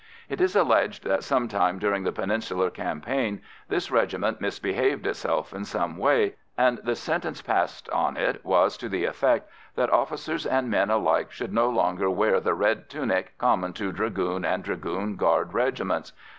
It is alleged that some time during the Peninsular Campaign this regiment misbehaved itself in some way, and the sentence passed on it was to the effect that officers and men alike should no longer wear the red tunic common to Dragoon and Dragoon Guard regiments.